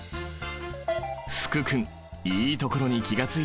福君いいところに気が付いたね。